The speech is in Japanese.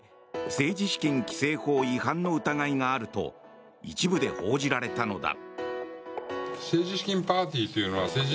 政治資金規正法違反の疑いがあると一部で報じられたのだ。